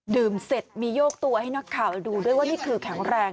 เสร็จมีโยกตัวให้นักข่าวดูด้วยว่านี่คือแข็งแรง